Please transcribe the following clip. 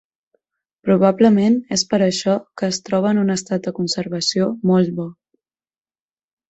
Probablement és per això que es troba en un estat de conservació molt bo.